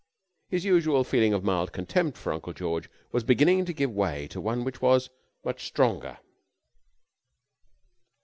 His usual feeling of mild contempt for Uncle George was beginning to give way to one which was much stronger.